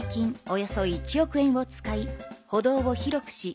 およそ１億円を使い歩道を広くし